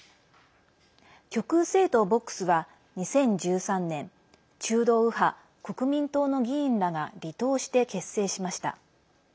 極右政党ボックスは２０１３年中道右派・国民党の議員らが離党して結成しました。